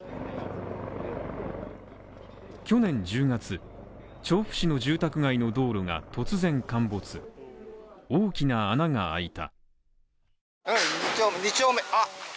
去年１０月、調布市の住宅街の道路が突然陥没大きな穴が開いた。